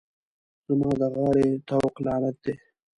زما د غاړې طوق لعنت دی.